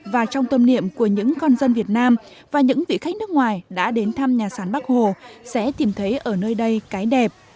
và trong tâm niệm của những con dân việt nam và những vị khách nước ngoài đã đến thăm nhà sản bắc hồ sẽ tìm thấy ở nơi đây cái đẹp